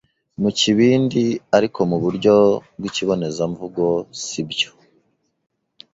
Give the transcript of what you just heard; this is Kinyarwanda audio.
mu kibindi, ariko mu buryo bw'ikibonezamvugo si byo.